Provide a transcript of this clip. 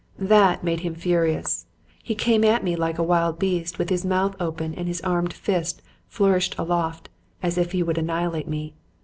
"That made him furious. He came at me like a wild beast, with his mouth open and his armed fist flourished aloft as if he would annihilate me.